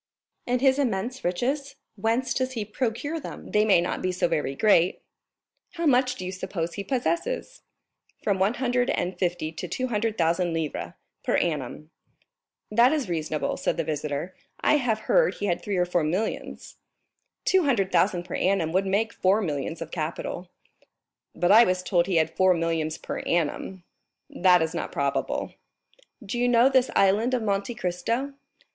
"And his immense riches, whence does he procure them?" "They may not be so very great." "How much do you suppose he possesses?" "From one hundred and fifty to two hundred thousand livres per annum." "That is reasonable," said the visitor; "I have heard he had three or four millions." "Two hundred thousand per annum would make four millions of capital." "But I was told he had four millions per annum." "That is not probable." "Do you know this Island of Monte Cristo?"